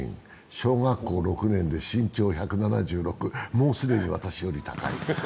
小学校６年で身長１７６、もう既に私より高い。